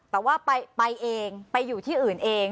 แต่ว่าไปเองไปอยู่ที่อื่นเอง